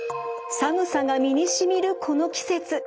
寒さが身にしみるこの季節。